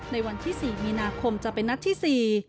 ในวันที่๔มีนาคมจะเป็นนัดที่๔